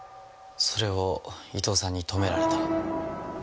それを伊東さんに止められた。